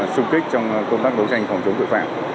xung kích trong công tác đấu tranh phòng chống tội phạm